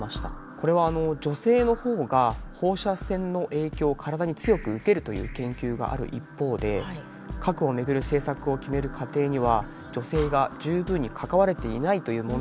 これは女性の方が放射線の影響を体に強く受けるという研究がある一方で核を巡る政策を決める過程には女性が十分に関われていないという問題を指摘していたんです。